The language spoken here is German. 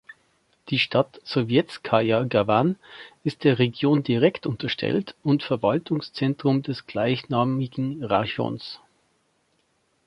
Die Stadt Sowetskaja Gawan ist der Region direkt unterstellt und Verwaltungszentrum des gleichnamigen Rajons.